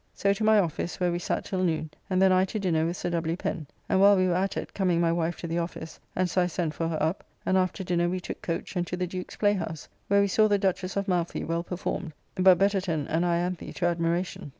So to my office, where we sat till noon, and then I to dinner with Sir W. Pen, and while we were at it coming my wife to the office, and so I sent for her up, and after dinner we took coach and to the Duke's playhouse, where we saw "The Duchess of Malfy" well performed, but Betterton and Ianthe to admiration.